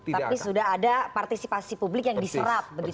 tapi sudah ada partisipasi publik yang diserap